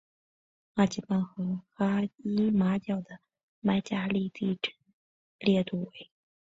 阿吉曼和哈伊马角的麦加利地震烈度为。